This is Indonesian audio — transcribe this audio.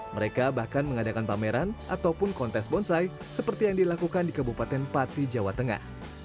mereka bahkan mengadakan pameran ataupun kontes bonsai seperti yang dilakukan di kabupaten pati jawa tengah